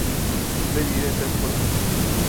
Está dividida en tres cuerpos.